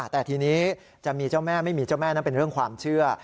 แต่ทีนี้จะมีเจ้าแม่ไม่มีเจ้าแม่นั้นเป็นเรื่องความเชื่อ